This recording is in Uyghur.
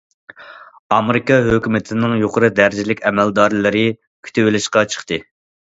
ئامېرىكا ھۆكۈمىتىنىڭ يۇقىرى دەرىجىلىك ئەمەلدارلىرى كۈتۈۋېلىشقا چىقتى.